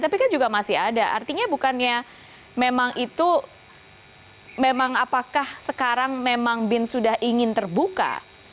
tapi kan juga masih ada artinya bukannya memang itu memang apakah sekarang memang bin sudah ingin terbuka